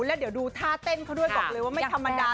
แล้วเดี๋ยวดูท่าเต้นเขาด้วยบอกเลยว่าไม่ธรรมดา